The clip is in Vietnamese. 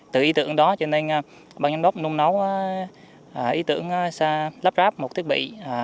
từ ý tưởng đó cho nên bác nhân đốc luôn nói ý tưởng lắp ráp một thiết bị